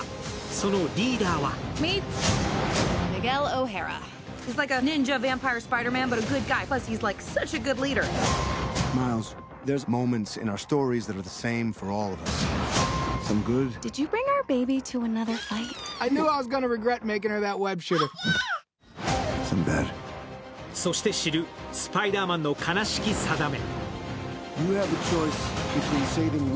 そのリーダーはそして知るスパイダーマンの悲しき定め。